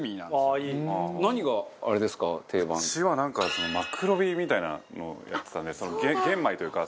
齊藤：うちは、マクロビみたいなのをやってたんで玄米というか。